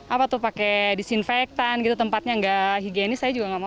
apa tuh pakai disinfektan gitu tempatnya nggak higienis saya juga nggak mau